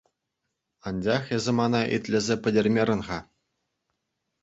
Анчах эсӗ мана итлесе пӗтермерӗн-ха.